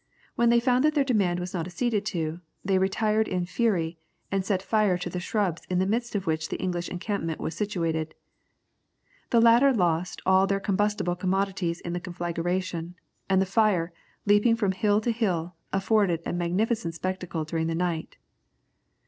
When they found that their demand was not acceded to, they retired in fury, and set fire to the shrubs in the midst of which the English encampment was situated. The latter lost all their combustible commodities in the conflagration, and the fire, leaping from hill to hill, afforded a magnificent spectacle during the night."